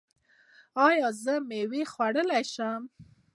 ایا زه میوه خوړلی شم؟